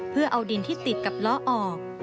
เพื่อเอาดินที่ติดกับล้อออก